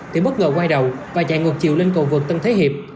thì bất ngờ quay đầu và chạy ngược chiều lên cầu vượt tân thế hiệp